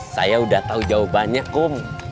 saya udah tahu jawabannya kok